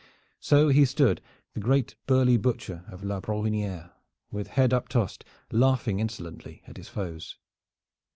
So he stood, the great burly Butcher of La Brohiniere, with head uptossed, laughing insolently at his foes.